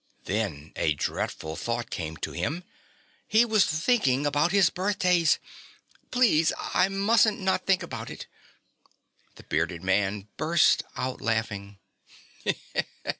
Then a dreadful thought came to him: he was thinking about his birthdays! "Please, I musn't not think about it." The bearded man burst out laughing.